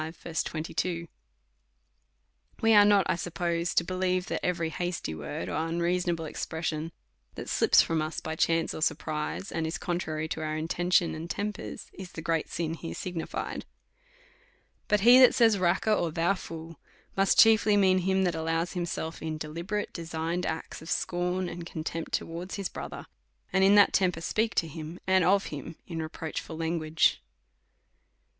V. 22. We are not, I suppose, to believe that every hasty word, or unreasonable expression that slips from us by chance or surprise, and is contrary to our intention and tempers, is the great sin here signi fied. Cut he that says, Raca, or Thou fool, must chiefly mean him that allows himself in deliberate, de signed acts of scorn and contempt towards his brother,, and in that temper speaks to him, and of him, in re proachful language.